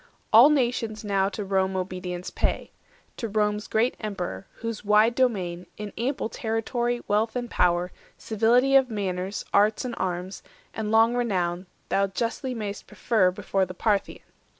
All nations now to Rome obedience pay— 80 To Rome's great Emperor, whose wide domain, In ample territory, wealth and power, Civility of manners, arts and arms, And long renown, thou justly may'st prefer Before the Parthian.